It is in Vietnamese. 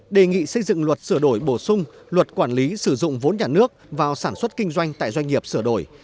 đề nghị xây dựng luật sửa đổi bổ sung luật quản lý sử dụng vốn nhà nước vào sản xuất kinh doanh tại doanh nghiệp sửa đổi